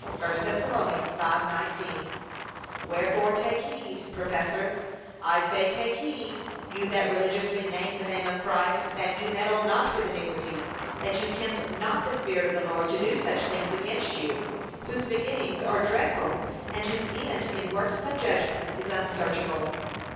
(1 Thess. 5:19) Wherefore take heed, professors, I say take heed, you that religiously name the name of Christ, that you meddle not with iniquity, that you tempt not the Spirit of the Lord to do such things against you, whose beginnings are dreadful, and whose end in working of judgments is unsearchable.